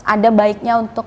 ada baiknya untuk